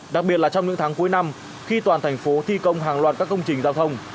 đặc biệt là trong những tháng cuối năm khi toàn thành phố thi công hàng loạt các công trình giao thông